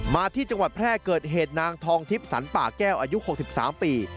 มาที่จังหวัดแพร่เกิดเหตุนางทองทิพย์สรรป่าแก้วอายุ๖๓ปี